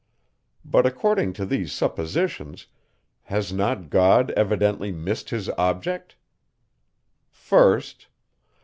But, according to these suppositions, has not God evidently missed his object? 1st.